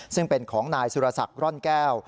ซึ่งเป็นของนายสุรศักดิ์ร่อนแก้ว